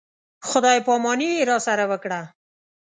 خدای په اماني یې راسره وکړه.